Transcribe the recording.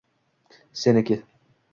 – Seniki.